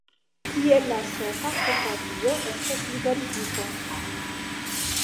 Tiel la sepa kompanio estas liberigita.